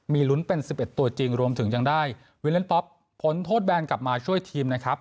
มีลุ้นเป็น๑๑ตัวจริงรวมถึงยังได้วิเล่นป๊อปพ้นโทษแบนกลับมาช่วยทีมนะครับ